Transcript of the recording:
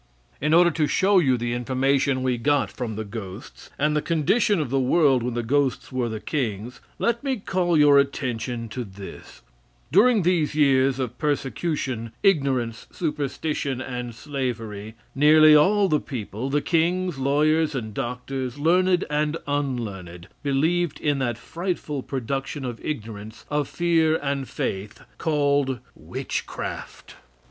In order to show you the information we got from the ghosts, and the condition of the world when the ghosts were the kings, let me call your attention to this: During these years of persecution, ignorance, superstition and slavery, nearly all the people, the kings, lawyers and doctors, learned and unlearned, believed in that frightful production of ignorance, of fear and faith, called witchcraft.